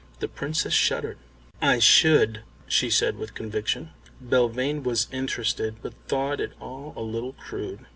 The Princess shuddered. "I should," she said, with conviction. Belvane was interested, but thought it all a little crude.